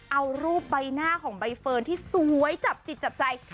เอารูปใบหน้าของใบเฟิร์นที่สวยจับจิตจับใจ